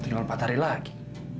tinggal empat hari lagi